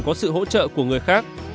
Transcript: có sự hỗ trợ của người khác